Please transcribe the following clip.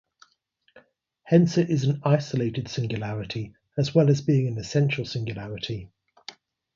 Hence it is an isolated singularity, as well as being an essential singularity.